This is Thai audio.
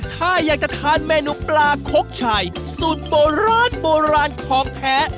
ถ้าอยากจะทานเมนูปลาคกชัยสูตรโบราณโบราณของแท้